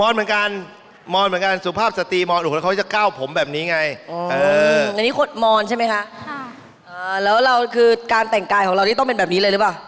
เราอาจจะไม่รู้ลึกเท่ากับท่านนี้